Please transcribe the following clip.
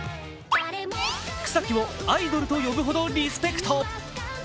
草木をアイドルと呼ぶほどリスペクト。